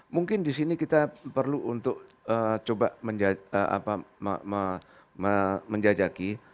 mungkin di sini kita perlu untuk coba menjajaki